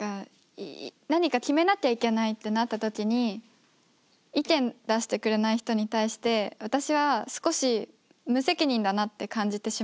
何か決めなきゃいけないってなった時に意見出してくれない人に対して私は少し無責任だなって感じてしまう。